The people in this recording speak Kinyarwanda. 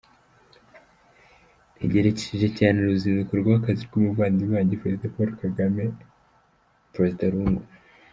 "Ntegereje cyane uruzinduko rw’akazi rw’umuvandimwe wanjye Perezida Paul Kagame" Perezida Lungu.